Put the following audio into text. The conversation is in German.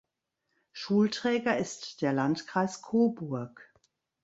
Schulträger ist der Landkreis Coburg.